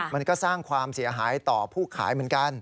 มันก็สร้างความเสียหายต่อผู้ขายเหมือนกัน